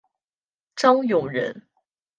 张永人。